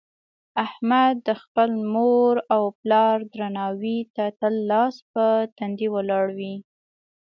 احمد د خپل مور او پلار درناوي ته تل لاس په تندي ولاړ وي.